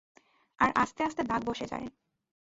আর আস্তে আস্তে দাগ বসে যায়।